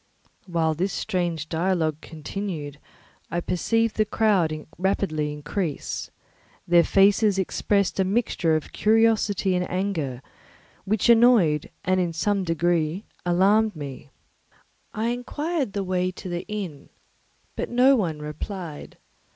While this strange dialogue continued, I perceived the crowd rapidly increase. Their faces expressed a mixture of curiosity and anger, which annoyed and in some degree alarmed me. I inquired the way to the inn, but no one replied.